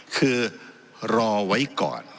คือรอไว้ก่อน